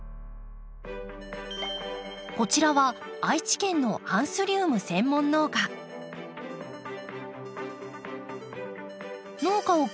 こちらは愛知県のアンスリウム専門農家。